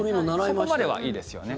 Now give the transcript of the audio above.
そこまではいいですよね。